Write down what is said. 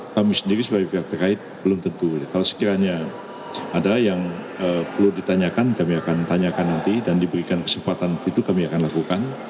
kami sendiri sebagai pihak terkait belum tentu kalau sekiranya ada yang perlu ditanyakan kami akan tanyakan nanti dan diberikan kesempatan itu kami akan lakukan